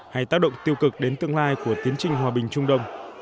hay tác động tiêu cực đến tương lai của tiến trình hòa bình trung đông